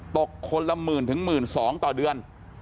ตกคนละหมื่นถึงหมื่นสองต่อเดือน